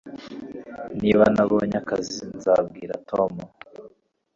niba ntabonye akazi, nzabwira tom